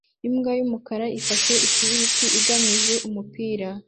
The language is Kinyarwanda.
Imbwa yumukara ifashe ikibiriti igamije umupira